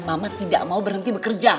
mamat tidak mau berhenti bekerja